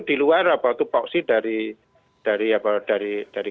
diluar atau fokusi dari